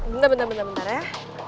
bentar bentar bentar ya